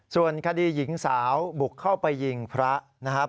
ส่วนคดีหญิงสาวบุกเข้าไปยิงพระนะครับ